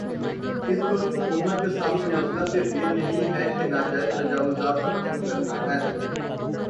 اس وقت حکومت کے سامنے مسئلہ صرف یہ نہیں ہے کہ ناجائز تجاوزات کو ختم کرنا ہے۔